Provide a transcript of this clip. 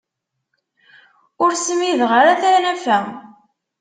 Ur smideɣ ara tanafa.